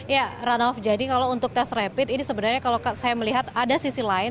ya ranaf jadi kalau untuk tes rapid ini sebenarnya kalau saya melihat ada sisi lain